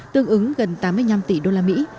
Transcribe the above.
tương ứng gần tám mươi năm tỷ đô la mỹ